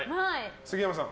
杉山さん。